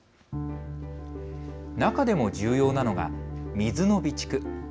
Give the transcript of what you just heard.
中でも重要なのが水の備蓄。